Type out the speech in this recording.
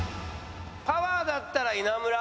パワーだったら稲村？